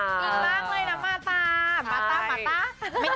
กินมากเลยนะมาตามาต้ามาต้า